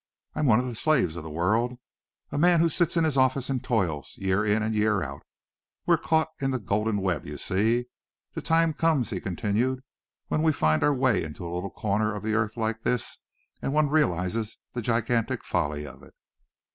"I am one of the slaves of the world, a man who sits in his office and toils, year in and year out. We're caught in the Golden Web, you see. The time comes," he continued, "when we find our way into a little corner of the earth like this, and one realizes the gigantic folly of it."